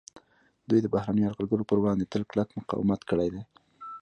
دوی د بهرنیو یرغلګرو پر وړاندې تل کلک مقاومت کړی دی